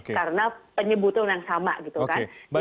karena penyebutnya undang sama gitu kan